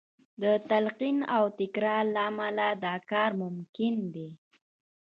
د تلقین او تکرار له امله دا کار ممکن دی